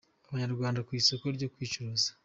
Abanyarwandakazi ku isoko ryo kwicuruza